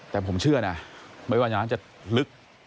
แต่ผมเชื่อนะไม่ว่าน้ำจะลึก